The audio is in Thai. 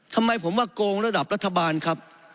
ทำไมผมว่าโกงระดับรัฐบาลครับ